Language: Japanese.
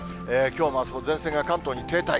きょう、あす、前線が関東に停滞。